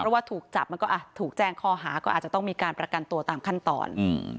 เพราะว่าถูกจับมันก็ถูกแจ้งข้อหาก็อาจจะต้องมีการประกันตัวตามขั้นตอน